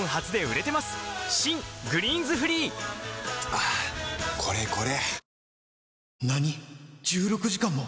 はぁこれこれ！